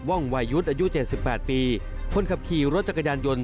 ่องวายุทธ์อายุ๗๘ปีคนขับขี่รถจักรยานยนต์